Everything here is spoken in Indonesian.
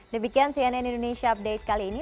demikian cnn indonesia update kali ini